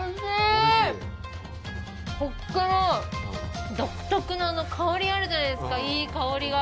ほっけの独特の香りあるじゃないですかいい香りが。